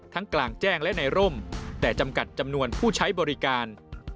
กลางแจ้งและในร่มแต่จำกัดจำนวนผู้ใช้บริการ